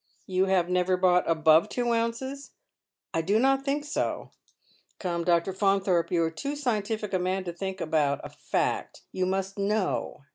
" You have never bought above two ounces ?"" I do not think so." " Come, Dr. Faunthorpe, you are too scientific a man to think about a fact. You must know."